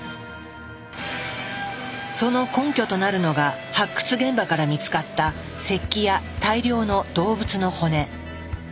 その根拠となるのが発掘現場から見つかった石器や大量の動物の骨。